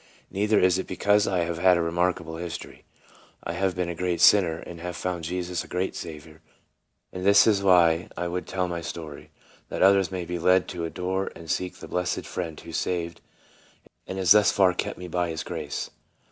Neither is it because I have had a remarkable history. I have been a great sinner, and have found Jesus a great Saviour, and this is why I would tell my story, that others may be led to adore and seek the blessed Friend who saved, and has thus far kept me by his grace.